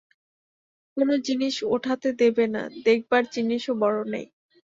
কোন জিনিষ ওঠাতে দেবে না, দেখবার জিনিষও বড় নেই।